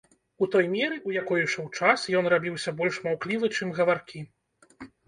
У той меры, у якой ішоў час, ён рабіўся больш маўклівы, чым гаваркі.